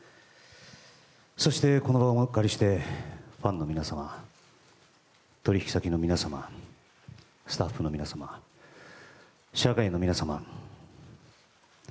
そして、この場をお借りしてファンの皆様取引先の皆様、スタッフの皆様社会の皆様